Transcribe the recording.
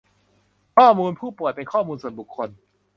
ข้อมูลผู้ป่วยเป็นข้อมูลส่วนบุคคล